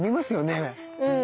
うん。